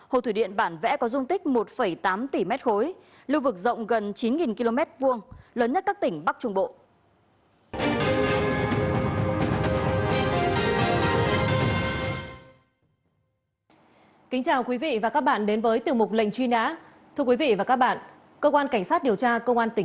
hồ thủy điện bản vẽ có dung tích một tám tỷ mét khối